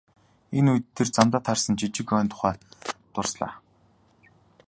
Энэ үед тэр замд таарсан жижиг ойн тухай дурслаа.